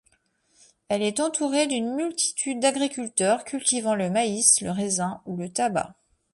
Elle est entourée d'une multitude d'agriculteurs cultivant le maïs, le raisin ou le tabac.